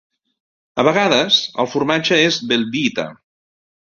A vegades, el formatge és Velveeta.